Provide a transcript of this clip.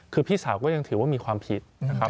คือพี่สาวก็ยังถือว่ามีความผิด